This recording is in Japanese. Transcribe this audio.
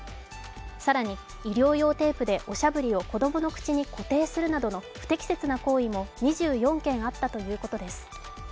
更に医療用テープでおしゃぶりを子供の口に固定するなどの不適切な行為も２４件あったということです。